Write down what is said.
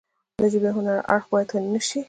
د ژبې هنري اړخ باید هیر نشي.